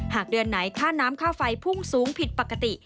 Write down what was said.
หากเดือนไหนค่าน้ำค่าไฟพุ่งสูงผิดปกติ